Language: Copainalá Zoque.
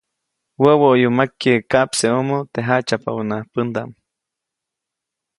Wäwä ʼoyu makye kaʼpseʼomo teʼ jaʼtsyajpabänaʼajk pändaʼm.